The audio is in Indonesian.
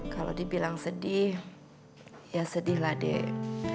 kalau dibilang sedih ya sedih lah dek